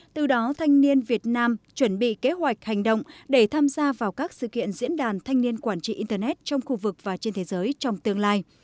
từ đó thanh niên việt nam chuẩn bị kế hoạch hành động để tham gia vào các sự kiện diễn đàn thanh niên quản trị internet trong khu vực và trên thế giới trong tương lai